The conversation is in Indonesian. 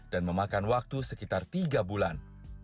dan memakan waktu sekitar tiga bulan